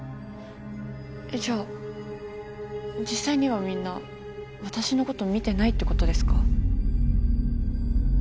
えっじゃあ実際にはみんな私のこと見てないってことですか？